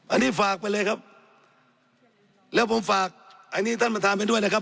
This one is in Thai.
อันนี้ฝากไปเลยครับแล้วผมฝากอันนี้ท่านประธานไปด้วยนะครับ